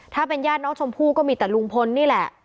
ถ้าเป็นญาติน้องชมพู่ก็มีแต่ลุงพลนี่แหละ